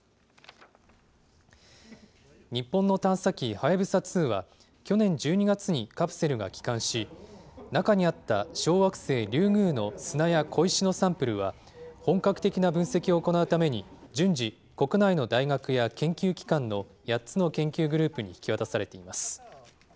はやぶさ２は、去年１２月にカプセルが帰還し、中にあった小惑星リュウグウの砂や小石のサンプルは、本格的な分析を行うために、順次、国内の大学や研究機関の８つの研究グループに引き渡されています。